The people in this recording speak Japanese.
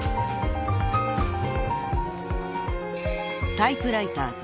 ［『タイプライターズ』